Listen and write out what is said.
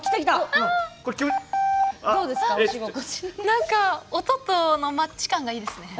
なんか音とのマッチ感がいいですね。